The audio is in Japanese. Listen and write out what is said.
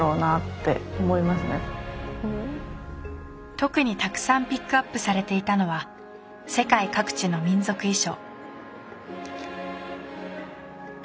特にたくさんピックアップされていたのは世界各地の民族衣装